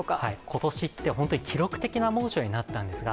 今年って本当に記録的な猛暑になったんですが